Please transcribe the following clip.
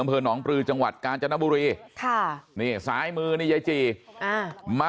อำเภอหนองปลือจังหวัดกาญจนบุรีค่ะนี่ซ้ายมือนี่ยายจีอ่ามา